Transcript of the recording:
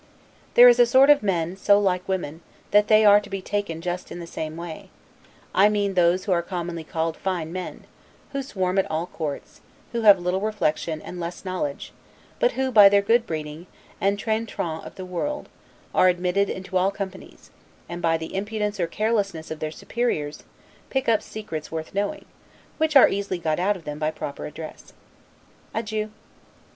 There is a sort of men so like women, that they are to be taken just in the same way; I mean those who are commonly called FINE MEN; who swarm at all courts; who have little reflection, and less knowledge; but, who by their good breeding, and 'train tran' of the world, are admitted into all companies; and, by the imprudence or carelessness of their superiors, pick up secrets worth knowing, which are easily got out of them by proper address. Adieu.